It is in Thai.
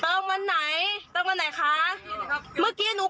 ไม่เป็นไรหรอกครับไม่เป็นไรจริง